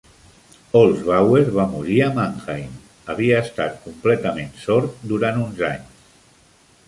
Holzbauer va morir a Mannheim, havia estat completament sord durant uns anys.